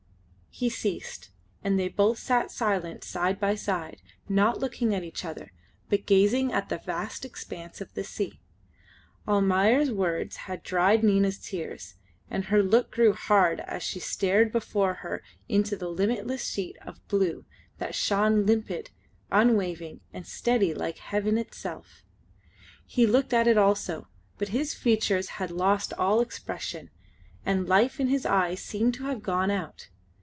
He ceased, and they both sat silent side by side, not looking at each other, but gazing at the vast expanse of the sea. Almayer's words had dried Nina's tears, and her look grew hard as she stared before her into the limitless sheet of blue that shone limpid, unwaving, and steady like heaven itself. He looked at it also, but his features had lost all expression, and life in his eyes seemed to have gone out.